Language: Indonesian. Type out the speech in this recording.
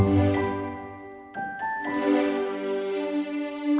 dan dengan demikian